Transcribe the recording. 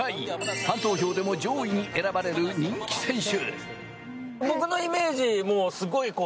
ファン投票でも上位に選ばれる人気選手。